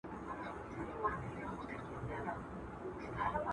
که کړکۍ وي نو رڼا نه بندیږي.